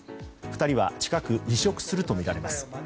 ２人は近く辞職するとみられます。